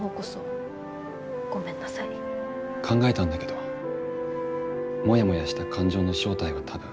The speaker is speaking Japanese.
考えたんだけどもやもやした感情の正体は多分。